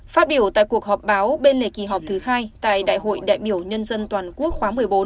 phát biểu tại cuộc họp báo bên lề kỳ họp thứ hai tại đại hội đại biểu nhân dân toàn quốc khóa một mươi bốn